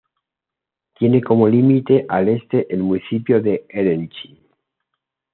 Tiene como límite al este el municipio de Erechim.